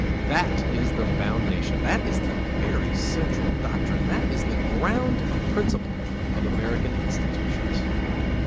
That is the foundation, that is the very central doctrine, that is the ground principle, of American institutions.